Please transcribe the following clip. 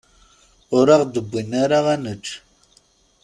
Ur aɣ-d-wwin ara ad nečč.